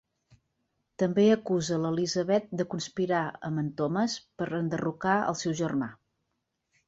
També acusa l'Elizabeth de conspirar amb en Thomas per enderrocar al seu germà.